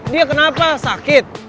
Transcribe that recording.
dia kenapa sakit